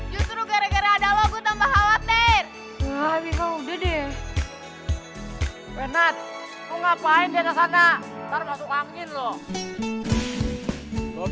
justru gara gara ada logo tambah halat air udah deh enak ngapain di sana sana